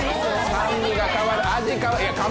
酸味が、味変わる！